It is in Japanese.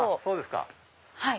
そうですか。